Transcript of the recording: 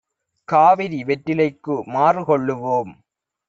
காவிரி வெற்றிலைக்கு மாறுகொள்ளு வோம்